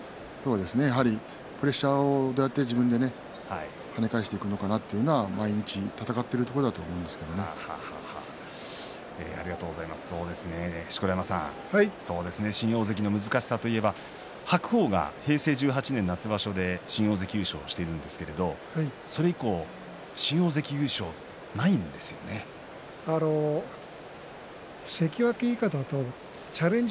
プレッシャーを自分で跳ね返していくのかなというのは毎日、戦っているところだと錣山さん新大関の難しさといえば白鵬が平成１８年夏場所で新大関優勝をしているんですけれどもそれ以降、新大関優勝は関脇以下だとチャレンジ